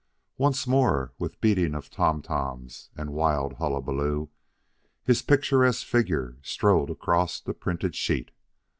Once more, with beating of toms toms and wild hullaballoo, his picturesque figure strode across the printed sheet.